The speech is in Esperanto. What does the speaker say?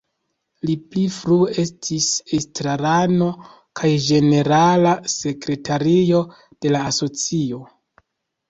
Li pli frue estis estrarano kaj ĝenerala sekretario de la asocio.